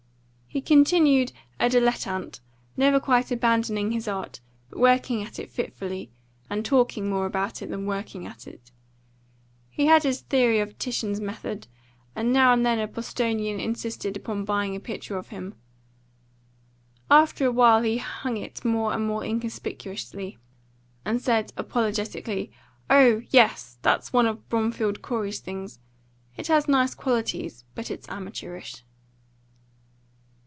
He continued a dilettante, never quite abandoning his art, but working at it fitfully, and talking more about it than working at it. He had his theory of Titian's method; and now and then a Bostonian insisted upon buying a picture of him. After a while he hung it more and more inconspicuously, and said apologetically, "Oh yes! that's one of Bromfield Corey's things. It has nice qualities, but it's amateurish."